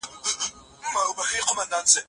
دا موضوع د پوهنتون په درسي کتابونو کي ليکل سوې ده.